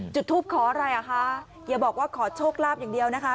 จุดทูปขออะไรอ่ะคะอย่าบอกว่าขอโชคลาภอย่างเดียวนะคะ